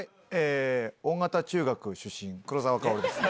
恩方中学出身、黒沢薫です。